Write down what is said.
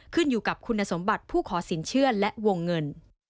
ขึ้นอยู่กับคุณสมบัติผู้ขอสินเชื่อและวงเงิน